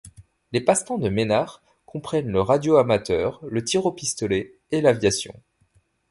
Les passe-temps de Maynard comprennent le radioamateur, le tir au pistolet et l'aviation.